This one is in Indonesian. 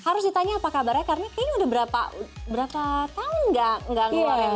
harus ditanya apa kabarnya karena kayaknya udah berapa tahun gak ngeluarin